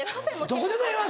どこでもええわ！